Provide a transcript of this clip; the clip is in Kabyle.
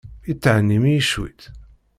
I thennim-iyi cwiṭ?